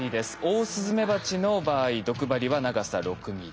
オオスズメバチの場合毒針は長さ６ｍｍ。